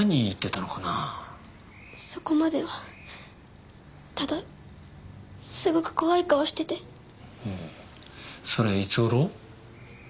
そこまではただすごく怖い顔しててうんそれいつごろ？